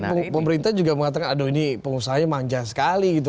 tapi nanti pemerintah juga mengatakan aduh ini pengusaha nya manja sekali gitu